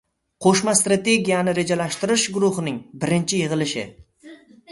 Qo‘shma strategiyani rejalashtirish guruhining birinchi yig‘ilishi